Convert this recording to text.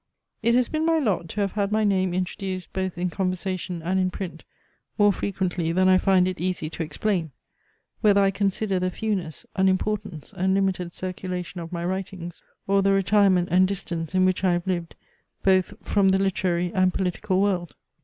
It has been my lot to have had my name introduced both in conversation, and in print, more frequently than I find it easy to explain, whether I consider the fewness, unimportance, and limited circulation of my writings, or the retirement and distance, in which I have lived, both from the literary and political world.